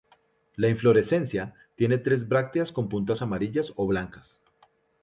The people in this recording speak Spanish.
La inflorescencia tiene tres brácteas con puntas amarillas o blancas.